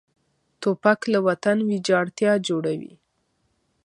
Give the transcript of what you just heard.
توپک له وطن ویجاړتیا جوړوي.